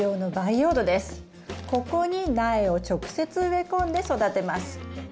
ここに苗を直接植え込んで育てます。